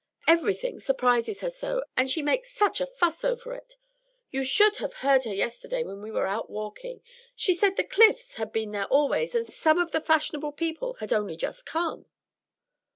Everything surprises her so, and she makes such a fuss over it. You should have heard her yesterday when we were out walking; she said the Cliffs had been there always, and some of the fashionable people had only just come."